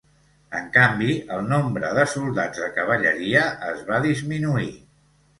En canvi el nombre de soldats de cavalleria es va disminuir.